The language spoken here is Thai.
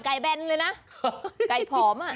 ไก่แบนเลยนะไก่ผอม